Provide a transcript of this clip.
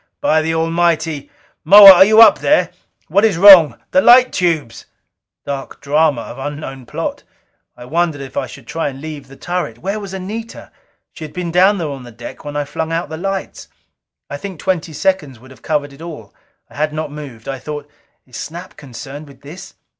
By the Almighty, Moa, are you up there? What is wrong? The light tubes " Dark drama of unknown plot! I wondered if I should try and leave the turret. Where was Anita? She had been down there on the deck when I flung out the lights. I think twenty seconds would have covered it all. I had not moved. I thought, "Is Snap concerned with this?"